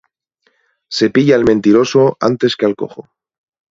Se pilla al mentiroso antes que al cojo.